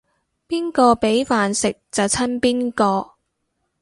邊個畀飯食就親邊個